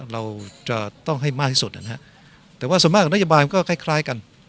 เราจะต้องให้มากที่สุดนะฮะแต่ว่าส่วนมากนโยบายมันก็คล้ายกัน